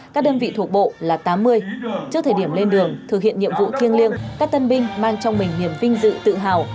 các đơn vị thuộc bộ là tám mươi trước thời điểm lên đường thực hiện nhiệm vụ thiêng liêng các tân binh mang trong mình niềm vinh dự tự hào